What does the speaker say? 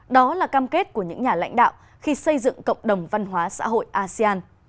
đó là cam kết của những nhà lãnh đạo khi xây dựng cộng đồng văn hóa xã hội asean